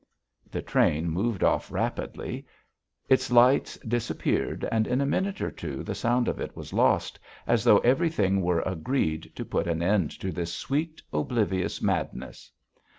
The train moved off rapidly. Its lights disappeared, and in a minute or two the sound of it was lost, as though everything were agreed to put an end to this sweet, oblivious madness.